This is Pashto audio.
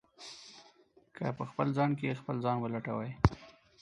که په خپل ځان کې خپل ځان ولټوئ.